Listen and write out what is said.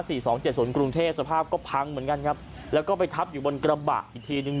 สองเจ็ดศูนย์กรุงเทพสภาพก็พังเหมือนกันครับแล้วก็ไปทับอยู่บนกระบะอีกทีนึง